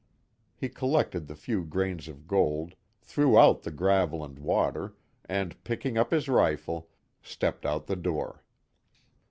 He collected the few grains of gold, threw out the gravel and water, and picking up his rifle, stepped out the door.